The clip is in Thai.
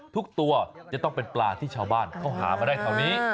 ทุกตัวจะต้องเป็นปลาที่ชาวบ้านเขาหามาได้เท่านี้